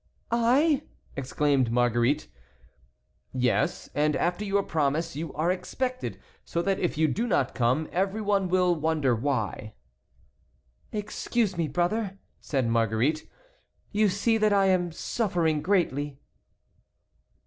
"I!" exclaimed Marguerite. "Yes, and after your promise you are expected; so that if you do not come every one will wonder why." "Excuse me, brother," said Marguerite, "you see that I am suffering greatly."